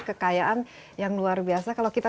kekayaan yang luar biasa kalau kita